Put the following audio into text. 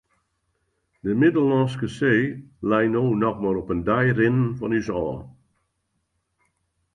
De Middellânske See lei no noch mar op in dei rinnen fan ús ôf.